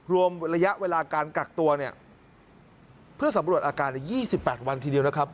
รวมระยะเวลาการกักตัวเนี่ยเพื่อสำรวจอาการใน๒๘วันทีเดียวนะครับ